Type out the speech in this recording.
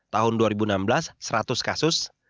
tahun dua ribu enam belas seratus kasus